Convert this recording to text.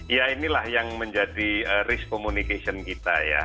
ya inilah yang menjadi risk communication kita ya